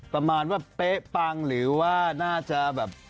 ประมาณว่าเป๊ะปังหรือว่าน่าจะแบบ